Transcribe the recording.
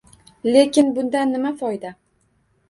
Lekin bundan nima foyda?